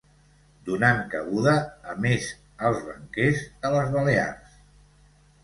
Donant cabuda a més als banquers de les Balears.